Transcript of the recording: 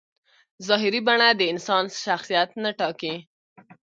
ظاهري بڼه د انسان شخصیت نه ټاکي.